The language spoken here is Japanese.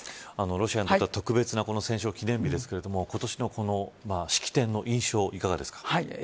ロシアにとって特別な戦勝記念日ですが今年の式典の印象はいかがですか。